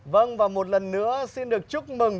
vâng và một lần nữa xin được chúc mừng